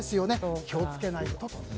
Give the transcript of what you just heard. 気をつけないと。